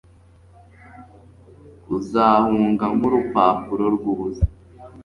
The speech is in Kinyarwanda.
Uzahunga nkurupapuro rwubusa